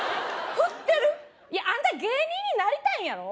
あんた芸人になりたいんやろ？